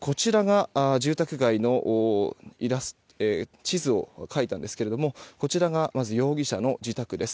住宅街の地図を描いたんですがこちらが容疑者の自宅です。